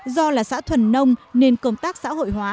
do là xã thuần nông nên công tác xã hội hóa